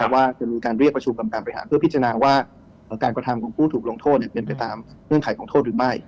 ว่าจะมีการเรียกประชุมกรรมการบริหารเพื่อพิจารณาว่าการกระทำของผู้ถูกลงโทษเป็นไปตามเงื่อนไขของโทษหรือไม่